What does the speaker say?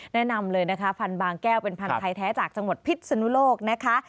แนะนำเลยนะคะพันธุ์บางแก้วเป็นพันธัยแท้จากจังหวัดพิษนุโลกนะคะ